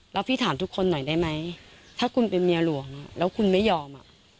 แล้วพี่ถามทุกคนหน่อยได้ไหมถ้าคุณเป็นเมียหลวงแล้วคุณไม่ยอม